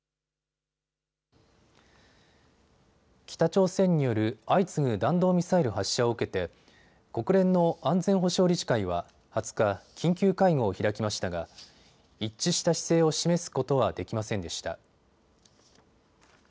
北朝鮮による相次ぐ弾道ミサイル発射を受けて国連の安全保障理事会は２０日、緊急会合を開きましたが一致した姿勢を示すことはできませんでした。